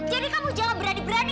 jadi kamu jangan berani berani